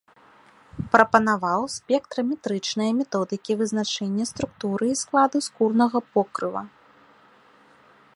Прапанаваў спектраметрычныя методыкі вызначэння структуры і складу скурнага покрыва.